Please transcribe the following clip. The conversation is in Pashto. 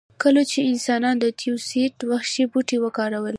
کله چې انسانانو د تیوسینټ وحشي بوټی وکاراوه